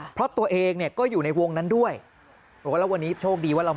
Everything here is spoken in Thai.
เพราะตัวเองก็อยู่ในวงนั้นด้วยแล้ววันนี้โชคดีว่าเรา